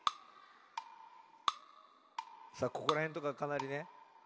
さあここらへんとかかなりね。